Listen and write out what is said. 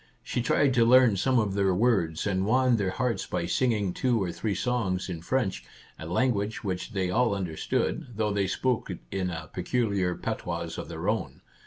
She tried to learn some of their words, and won their hearts by singing two or three songs in French, a language which they all under stood, though they spoke it in a peculiar patois of their own.